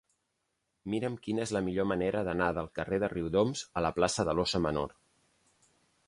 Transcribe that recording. Mira'm quina és la millor manera d'anar del carrer de Riudoms a la plaça de l'Óssa Menor.